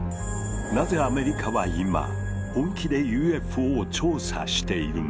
なぜアメリカは今本気でＵＦＯを調査しているのか？